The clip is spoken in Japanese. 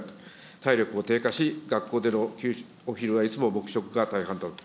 体力も低下し、学校での給食、お昼はいつも黙食が大半だと。